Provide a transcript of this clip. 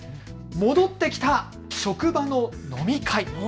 戻ってきた職場の飲み会。